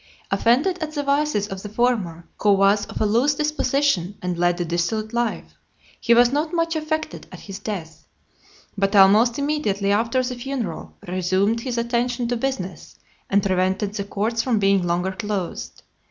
Offended at the vices of the former, who was of a loose disposition and led a dissolute life, he was not much affected at his death; but, almost immediately after the funeral, resumed his attention to business, and prevented the courts from being longer closed.